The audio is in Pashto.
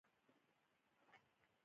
ژوند په مينه وکړئ.